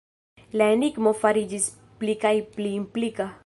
La enigmo fariĝis pli kaj pli implika.